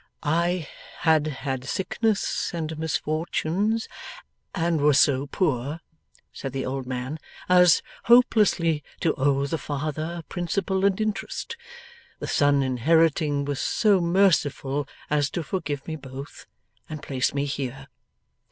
'I had had sickness and misfortunes, and was so poor,' said the old man, 'as hopelessly to owe the father, principal and interest. The son inheriting, was so merciful as to forgive me both, and place me here.